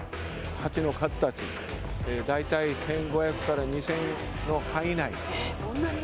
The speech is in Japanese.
ハチの数たち、大体１５００から２０００の範囲内。